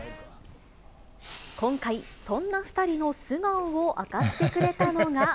今回、そんな２人の素顔を明かしてくれたのが。